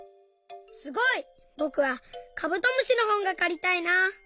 すごい！ぼくはカブトムシのほんがかりたいな。